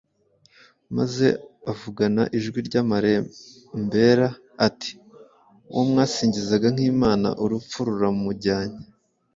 maze avugana ijwi ry’amarembera ati: “Uwo mwasingizaga nk’imana urupfu ruramujyanye.”